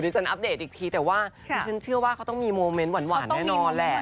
ดิฉันอัพเดทอีกทีแหละว่าจะมีโมเม้นต์หวานแน่นอนแหลด